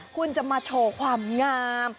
คุณจะมาโชว์ความงาม